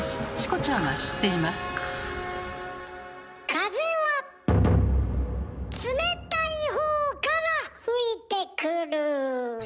風は冷たいほうから吹いてくる。